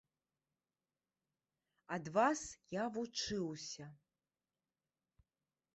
Ад вас я вучыўся.